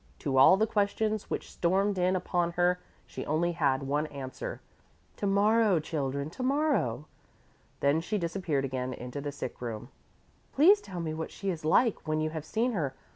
To all the questions which stormed in upon her she only had one answer: "To morrow, children, to morrow." Then she disappeared again into the sick room. "Please tell me what she is like, when you have seen her.